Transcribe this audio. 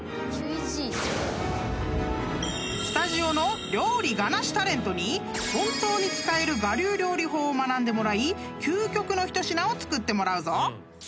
［スタジオの料理我なしタレントに本当に使える我流料理法を学んでもらい究極の一品を作ってもらうぞ］